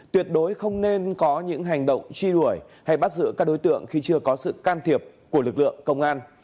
tuyệt đối không nên có những hành động truy đuổi hay bắt giữ các đối tượng khi chưa có sự can thiệp của lực lượng công an